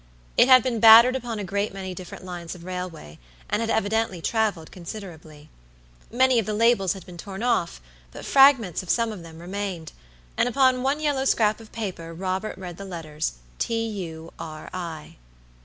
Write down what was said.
It had been battered upon a great many different lines of railway, and had evidently traveled considerably. Many of the labels had been torn off, but fragments of some of them remained, and upon one yellow scrap of paper Robert read the letters, TURI.